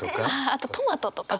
あとトマトとか。